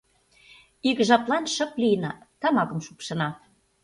Ик жаплан шып лийына, тамакым шупшына.